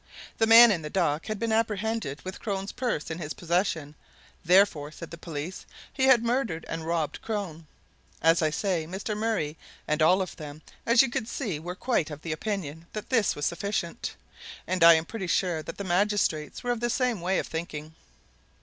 The man in the dock had been apprehended with Crone's purse in his possession therefore, said the police, he had murdered and robbed Crone. As I say, Mr. Murray and all of them as you could see were quite of the opinion that this was sufficient; and I am pretty sure that the magistrates were of the same way of thinking.